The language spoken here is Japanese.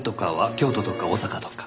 京都とか大阪とか。